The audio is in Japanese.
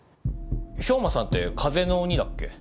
兵馬さんって風の鬼だっけ？